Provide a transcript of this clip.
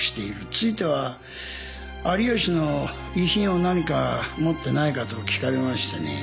ついては有吉の遺品を何か持っていないかと訊かれましてね。